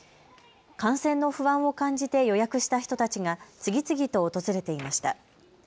感染の不安を感じて予約した人たちが次々と訪れていました。